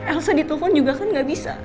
elsa ditelepon juga kan tidak bisa